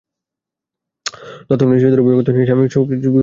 দত্তক নেওয়া শিশুর অভিভাবকত্ব নিয়ে সাবেক স্বামীর সঙ্গে বিরোধে জড়িয়ে পড়েন।